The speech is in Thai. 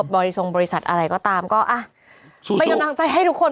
บริษัทอะไรก็ตามก็ไปกำลังใจให้ทุกคน